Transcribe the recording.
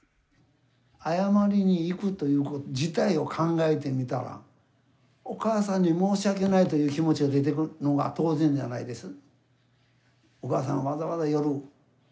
謝りに行くということ自体を考えてみたらお母さんに申し訳ないという気持ちが出てくるのが当然じゃないです？